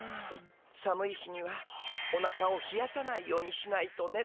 「寒い日にはおなかをひやさないようにしないとね」